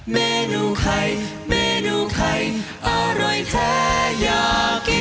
เมนูไข่เมนูไข่อร่อยแท้อยากกิน